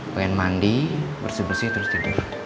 pengen mandi bersih bersih terus jadi